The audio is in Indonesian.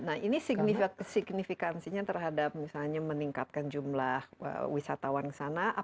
nah ini signifikansinya terhadap misalnya meningkatkan jumlah wisatawan ke sana